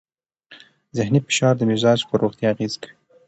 ذهنې فشار د مزاج پر روغتیا اغېز کوي.